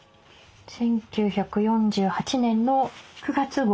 １９４８年の９月号。